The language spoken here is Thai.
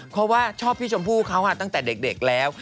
เพราะว่าชอบพี่ชมพู่เขาตั้งแต่เด็กแล้ว